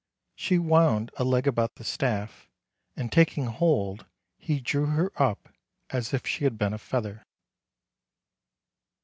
She wound a leg about the staff, and, taking hold, he drew her up as if she had been a feather.